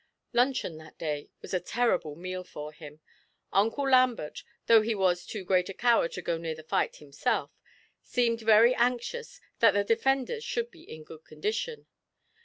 Luncheon that day was a terrible meal for him. Uncle Lambert (though he was too great a coward to go near the fight himself) seemed very anxious that the defenders should be in good condition.